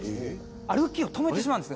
歩きを止めてしまうんです。